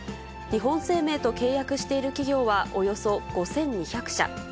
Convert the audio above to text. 日本生命と契約している企業は、およそ５２００社。